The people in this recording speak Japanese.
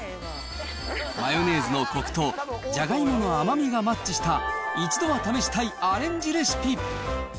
マヨネーズのこくとじゃがいもの甘みがマッチした、一度は試したいアレンジレシピ。